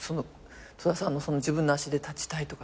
戸田さんのその「自分の足で立ちたい」とかさ